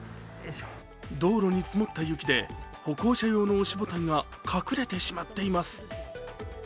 道路に積もった雪で歩行者用の押しボタンが隠れてしまっています。